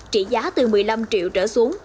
trị giá từ một mươi năm triệu trở xuống